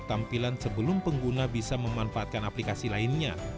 merupakan daya tarik tampilan sebelum pengguna bisa memanfaatkan aplikasi lainnya